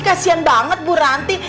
kasian banget bu ranti